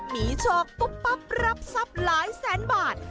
มีโชคปุ๊บปั๊บรับทรัพย์หลายแสนบาท